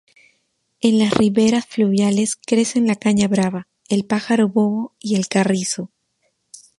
En las riberas fluviales crecen la caña brava, el pájaro bobo y el carrizo.